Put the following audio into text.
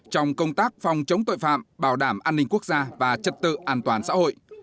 trong công tác phòng chống tội phạm bảo đảm an ninh quốc gia và trật tự an toàn xã hội